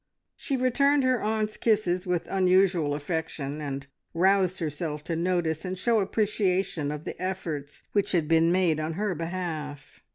She returned her aunt's kisses with unusual affection, and roused herself to notice and show appreciation of the efforts which had been made on her behalf.